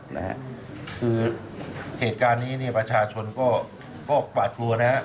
คือเหตุการณ์นี้ประชาชนก็ปลาดทัวร์นะครับ